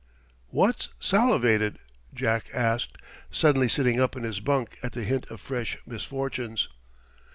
"Wot's salivated?" Jack asked, suddenly sitting up in his bunk at the hint of fresh misfortunes.